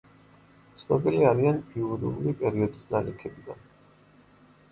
ცნობილი არიან იურული პერიოდის ნალექებიდან.